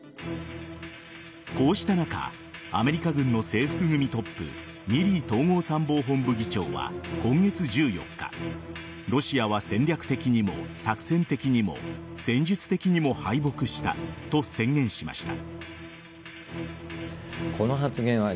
こうした中アメリカ軍の制服組トップミリー統合参謀本部議長は今月１４日ロシアは戦略的にも作戦的にも戦術的にも敗北したと宣言しました。